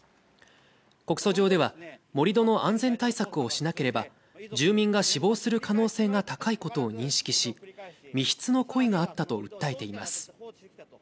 告訴状では、盛り土の安全対策をしなければ、住民が死亡する可能性が高いことを認識し、未必の故意があったと訴えています。